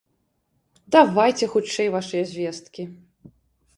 Давайце хутчэй вашыя звесткі.